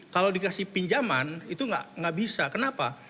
kalau dikasih pinjaman itu nggak bisa kenapa